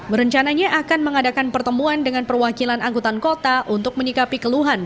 merencananya akan mengadakan pertemuan dengan perwakilan angkutan kota untuk menyikapi keluhan